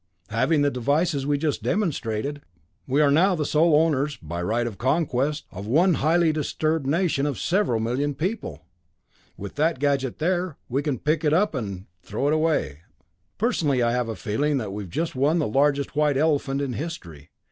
Having the devices we just demonstrated, we are now the sole owners, by right of conquest, of one highly disturbed nation of several million people. With that gadget there, we can pick it up and throw it away. "Personally, I have a feeling that we've just won the largest white elephant in history.